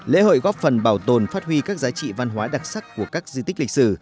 lễ hội góp phần bảo tồn phát huy các giá trị văn hóa đặc sắc của các di tích lịch sử